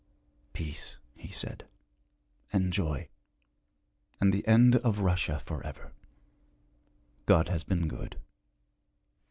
'Peace,' he said, 'and joy. And the end of Russia forever. God has been good.'